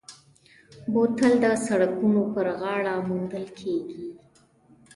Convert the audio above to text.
بوتل د سړکونو پر غاړه موندل کېږي.